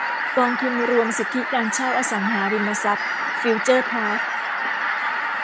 กองทุนรวมสิทธิการเช่าอสังหาริมทรัพย์ฟิวเจอร์พาร์ค